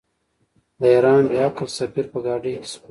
د ایران بې عقل سفیر په ګاډۍ کې سپور شو.